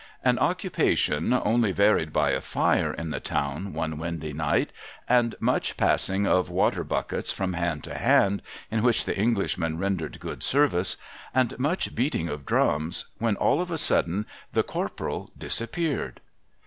An occupation only varied by a fire in the town one windy night, and much passing of water buckets from hand to hand (in which the Englishman rendered good service), and much beating of drums,^ — when all of a sudden the Corporal disappeared.